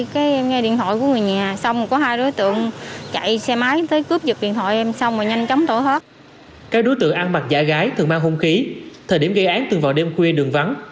các đối tượng ăn mặc dạ gái thường mang hung khí thời điểm gây án thường vào đêm khuya đường vắng